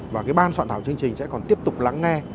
và cái ban soạn thảo chương trình sẽ còn tiếp tục lắng nghe